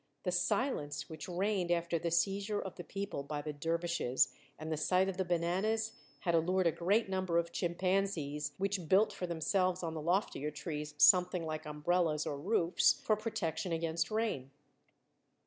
The silence which reigned after the seizure of the people by the dervishes and the sight of the bananas had allured a great number of chimpanzees which built for themselves, on the loftier trees, something like umbrellas or roofs, for protection against rain.